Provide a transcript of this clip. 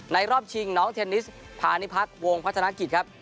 รอบชิงน้องเทนนิสพาณิพักษ์วงพัฒนากิจครับ